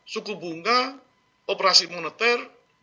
suku bunga operasi moneter